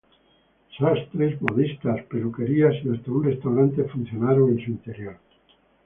Sastres, modistas, peluquerías y hasta un restaurante funcionaron en su interior.